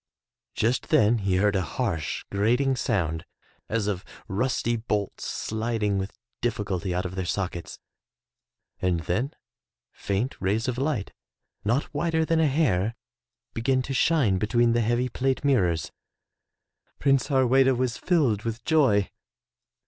Just then he heard a harsh, grating sound, as of rusty bolts sliding with difficulty out of their sockets, and then faint rays of Ught not wider than a hair began to shine between the heavy plate mirrors. Prince Harweda was filled with joy.